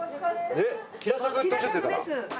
平作っておっしゃってたから。